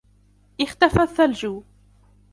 اختفى الثلج.